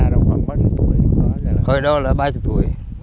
hồi đó là ba mươi tuổi